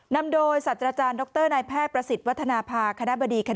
นำโดยสัตว์อาจารย์ดรนายแพทย์ประสิทธิ์วัฒนภาคณะบดีคณะ